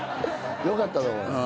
よかったと思います。